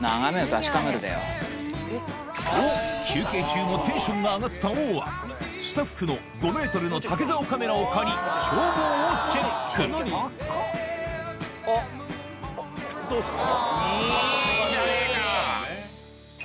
と休憩中もテンションが上がった王はスタッフの５ｍの竹竿カメラを借り眺望をチェックどうすか？